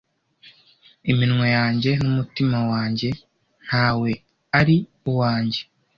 iminwa yanjye n'umutima wanjye ntawe ari uwanjye